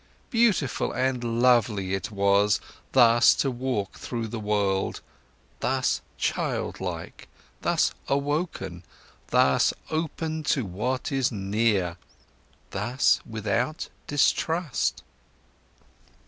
Beautiful and lovely it was, thus to walk through the world, thus childlike, thus awoken, thus open to what is near, thus without distrust.